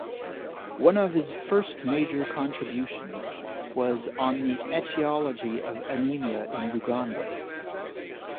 One of his first major contributions was on the etiology of anaemia in Uganda.